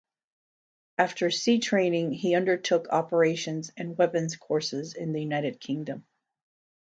After sea training he undertook Operations and Weapons courses in the United Kingdom.